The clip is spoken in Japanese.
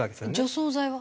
除草剤は？